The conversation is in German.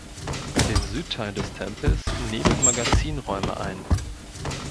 Den Südteil des Tempels nehmen Magazinräume ein.